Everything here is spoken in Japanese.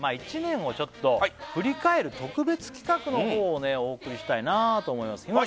１年をちょっと振り返る特別企画のほうをねお送りしたいなと思います